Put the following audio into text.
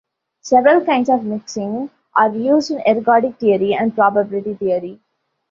Several kinds of mixing are used in ergodic theory and probability theory.